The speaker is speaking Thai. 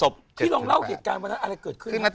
ที่ลองเล่าเหตุการณ์วันนั้นอะไรเกิดขึ้นครับ